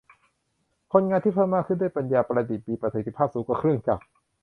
คนงานที่เพิ่มมากขึ้นด้วยปัญญาประดิษฐ์มีประสิทธิภาพสูงกว่าเครื่องจักร